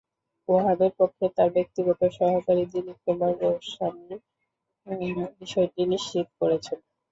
ওয়াহাবের পক্ষে তাঁর ব্যক্তিগত সহকারী দিলীপ কুমার গোস্বামী বিষয়টি নিশ্চিত করেছেন।